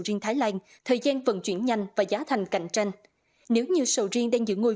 riêng thái lan thời gian vận chuyển nhanh và giá thành cạnh tranh nếu như sầu riêng đang giữ ngôi